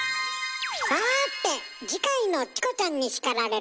さて次回の「チコちゃんに叱られる！」